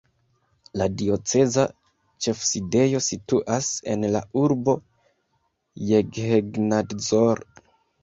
La dioceza ĉefsidejo situas en la urbo Jeghegnadzor.